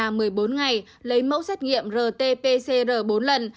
trong vòng một mươi bốn ngày lấy mẫu xét nghiệm rt pcr bốn lần